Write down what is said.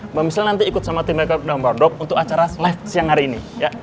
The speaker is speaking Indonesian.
mbak michelle nanti ikut sama tim make up dan wardrop untuk acara live siang hari ini